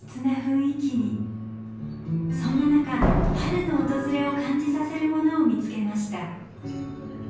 そんな中春の訪れを感じさせるものを見つけました。